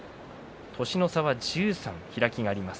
年の差は１３開きがあります。